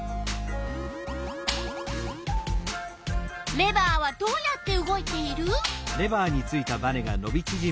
レバーはどうやって動いている？